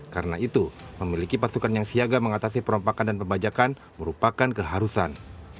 karena itu memiliki pasukan yang siaga mengatasi perompakan dan pembajakan merupakan keharusan